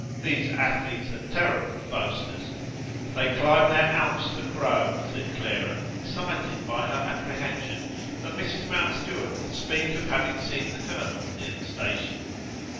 These athletes are terrible boasters." "They climb their Alps to crow," said Clara, excited by her apprehension that Mrs. Mountstuart would speak of having seen the colonel near the station.